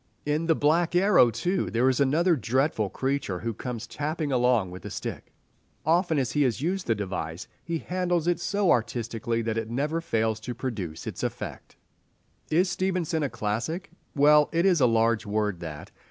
In "The Black Arrow," too, there is another dreadful creature who comes tapping along with a stick. Often as he has used the device, he handles it so artistically that it never fails to produce its effect. Is Stevenson a classic? Well, it is a large word that.